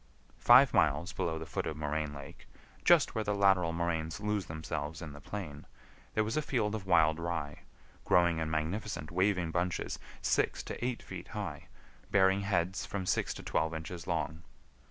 Five miles below the foot of Moraine Lake, just where the lateral moraines lose themselves in the plain, there was a field of wild rye, growing in magnificent waving bunches six to eight feet high, bearing heads from six to twelve inches long.